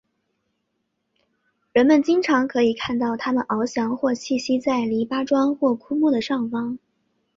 人们经常可以看到它们翱翔或栖息在篱笆桩或枯木的上方。